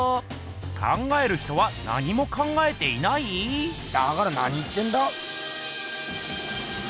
「考える人」は何も考えていない⁉だから何言ってんだ？